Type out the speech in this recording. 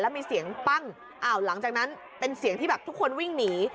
มีเสียงปั้งอ้าวหลังจากนั้นเป็นเสียงที่แบบทุกคนวิ่งหนี